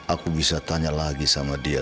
aku bisa tanya lagi sama dia